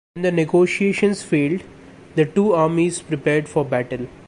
When the negotiations failed, the two armies prepared for battle.